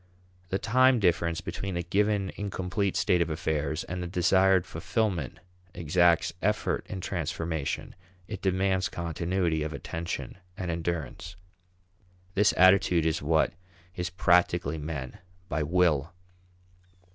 The time difference between the given incomplete state of affairs and the desired fulfillment exacts effort in transformation, it demands continuity of attention and endurance. This attitude is what is practically meant by will.